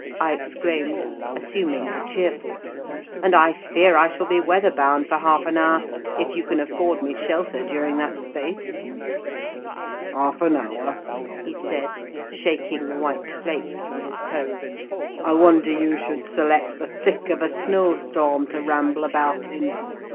I exclaimed, assuming the cheerful; "and I fear I shall be weather bound for half an hour, if you can afford me shelter during that space." "Half an hour?" he said, shaking the white flakes from his clothes; "I wonder you should select the thick of a snow storm to ramble about in.